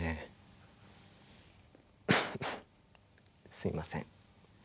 すいません。